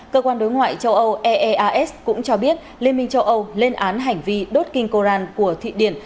cơ quan đối ngoại châu âu eeas cũng cho biết liên minh châu âu lên án hành vi đốt kinh koran của thụy điển